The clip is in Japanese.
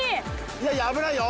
いやいや危ないよ